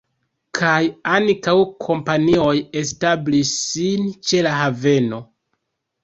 Kaj ankaŭ kompanioj establis sin ĉe la haveno.